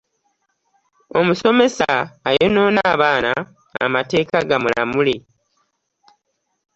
Omusomesa ayonoona abaana amateeka gamulamule.